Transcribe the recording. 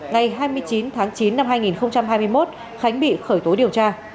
ngày hai mươi chín tháng chín năm hai nghìn hai mươi một khánh bị khởi tố điều tra